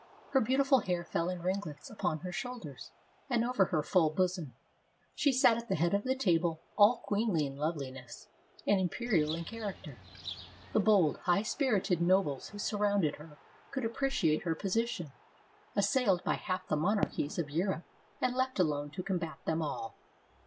Her beautiful hair fell in ring lets upon her shoulders and over her full bosom. She sat at the head of the table all queenly in loveliness, and imperial in character. The bold, high spirited nobles who surrounded her could appreciate her position, as sailed by half the monarchies of Europe, and left alone to combat them all.